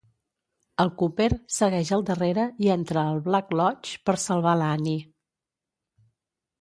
El Cooper segueix al darrere i entra al Black Lodge per salvar l'Annie.